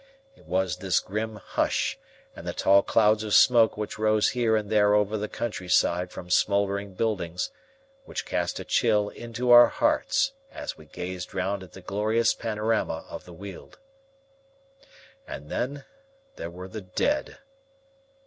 It was this grim hush, and the tall clouds of smoke which rose here and there over the country side from smoldering buildings, which cast a chill into our hearts as we gazed round at the glorious panorama of the Weald. And then there were the dead!